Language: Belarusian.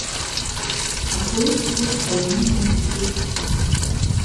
А поезд вось павінен ужо прыйсці.